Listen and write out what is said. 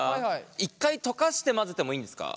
一回溶かして混ぜてもいいんですか？